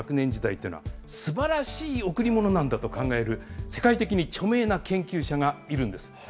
いうのは素晴らしい贈り物なんだと考える世界的に著名な研究者がいるんです。